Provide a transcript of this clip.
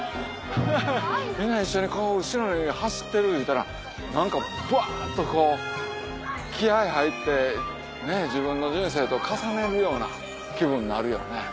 みんな一緒にこう後ろに走ってるいうたら何かブワっとこう気合入って自分の人生と重ねるような気分になるよね。